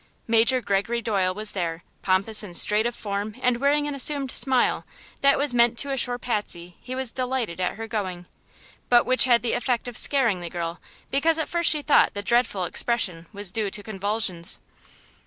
Major Gregory Doyle was there, pompous and straight of form and wearing an assumed smile that was meant to assure Patsy he was delighted at her going, but which had the effect of scaring the girl because she at first thought the dreadful expression was due to convulsions.